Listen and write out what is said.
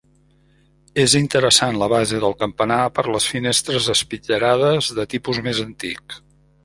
És interessant la base del campanar per les finestres espitllerades de tipus més antic.